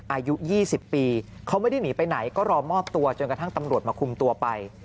อายุ๒๐ปีเขาไม่ได้หนีไปไหนก็รอมอบตัวจนกระทั่งตำรวจมาคุมตัวไป